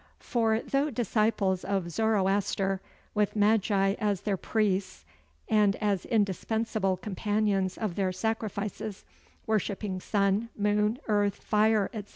For though disciples of Zoroaster, with Magi as their priests and as indispensable companions of their sacrifices, worshipping sun, moon, earth, fire, etc.